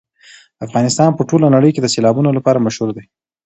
افغانستان په ټوله نړۍ کې د سیلابونو لپاره مشهور دی.